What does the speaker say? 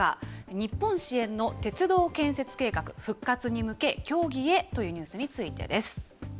日本支援の鉄道建設計画復活に向け協議へというニュースについてです。